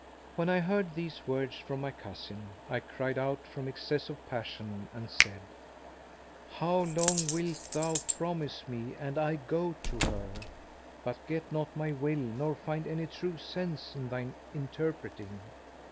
When I heard these words from my cousin, I cried out from excess of passion and said, "How long wilt thou promise me and I go to her, but get not my will nor find any true sense in thine interpreting."